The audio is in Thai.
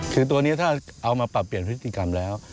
คือตัวนี้ถ้าเอามาปรับเปลี่ยนพฤติกรรมแล้ว